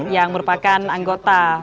yang merupakan anggota